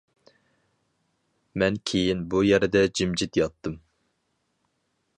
مەن كېيىن بۇ يەردە جىمجىت ياتتىم.